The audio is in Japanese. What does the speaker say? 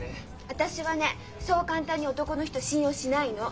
私はねそう簡単に男の人信用しないの！